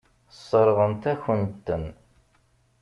Sseṛɣent-akent-ten.